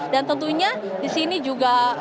dan tentunya di sini juga